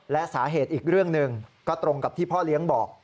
และสาเหตุอีกเรื่องหนึ่งก็ตรงกับที่พ่อเลี้ยงบอก